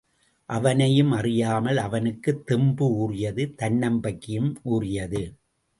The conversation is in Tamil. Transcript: அவனையும் அறியாமல், அவனுக்குத் தெம்பு ஊறியது தன்னம்பிக்கையும் ஊறியது.